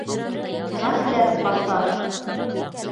Ғәфләт баҫа...